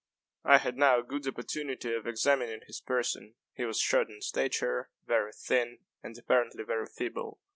I had now a good opportunity of examining his person. He was short in stature, very thin, and apparently very feeble.